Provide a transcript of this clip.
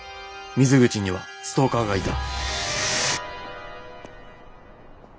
水口にはストーカーがいた。